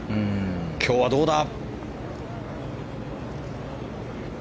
今日はどうだ。